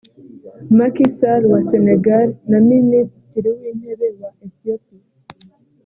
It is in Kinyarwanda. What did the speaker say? Macky Sall wa Senegal na Minisitiri w’Intebe wa Ethiopia